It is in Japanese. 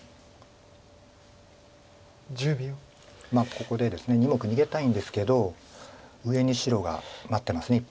ここでですね２目逃げたいんですけど上に白が待ってますいっぱい。